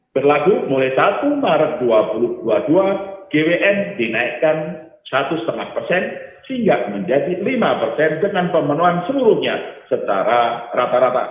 berlaku mulai satu maret dua ribu dua puluh dua gwn dinaikkan satu lima persen hingga menjadi lima persen dengan pemenuhan seluruhnya secara rata rata